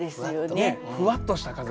ふわっとした風が。